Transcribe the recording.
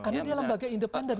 karena dia lambagnya independen